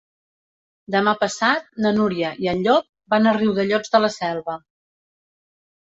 Demà passat na Núria i en Llop van a Riudellots de la Selva.